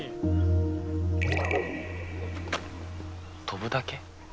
飛ぶだけ！？